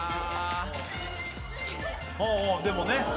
あでもね。